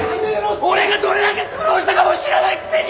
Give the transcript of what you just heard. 俺がどれだけ苦労したかも知らないくせに！